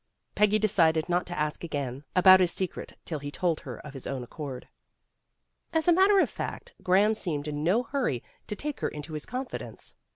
Peggy decided not to ask again about his secret till he told her of his own accord. As a matter of fact, Graham seemed in no hurry to take her into his confidence.